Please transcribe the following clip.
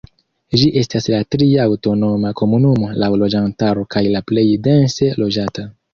Ĝi estas la tria aŭtonoma komunumo laŭ loĝantaro kaj la plej dense loĝata.